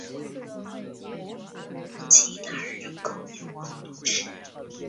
吉纳尔人口变化图示